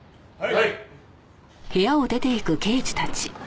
はい。